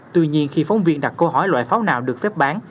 tuy nhiên khi phóng viên đặt câu hỏi loại pháo nào được phép bán